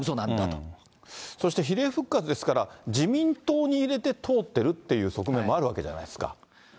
そして、比例復活ですから、自民党に入れて通ってるって側面もあるわけじゃないですか。